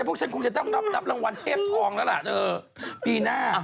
พวกฉันคงจะต้องนับรางวัลเทพทองแล้วล่ะเธอปีหน้า